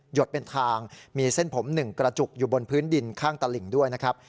ดเป็นทางมีเส้นผม๑กระจุกอยู่บนพื้นดินข้างตลิ่งด้วยนะครับ